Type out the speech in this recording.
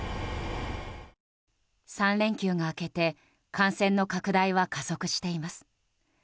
３連休が明けて感染の拡大は加速しています。